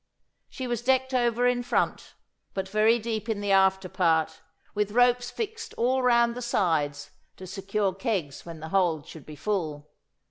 She was decked over in front, but very deep in the after part, with ropes fixed all round the sides to secure kegs when the hold should be full.